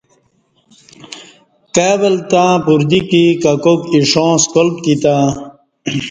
کائی ول تں پردیکی ککاک ایݜاں سکال پتی تں